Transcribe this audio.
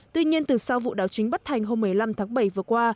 tuy nhiên từ sau vụ đảo chính bất thành hôm một mươi năm tháng bảy vừa qua